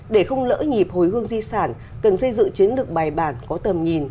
để không lỡ nhịp hồi hương di sản cần xây dựng chiến lược bài bản có tầm nhìn